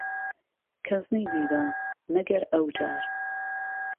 کهس نهيديوه مهگهر ئهو جار